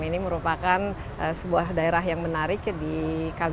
ini merupakan sebuah daerah yang menarik